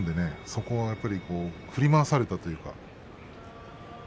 そこはやっぱり振り回されたというか。